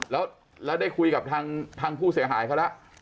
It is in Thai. แล้วได้คุยกับทางผู้เสียหายเขาแล้ว